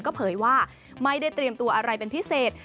ก็เผยว่าไม่ได้เตรียมตัวอะไรเป็นพิเศษ